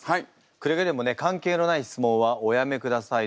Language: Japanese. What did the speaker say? くれぐれもね関係のない質問はおやめくださいね。